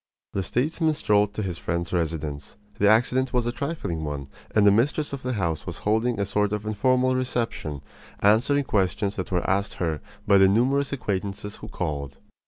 The statesman strolled to his friend's residence. The accident was a trifling one, and the mistress of the house was holding a sort of informal reception, answering questions that were asked her by the numerous acquaintances who called.